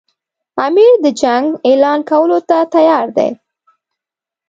امیر د جنګ اعلان کولو ته تیار دی.